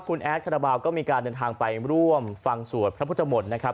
คุณแอดคาราบาลก็มีการเดินทางไปร่วมฟังสวดพระพุทธมนตร์นะครับ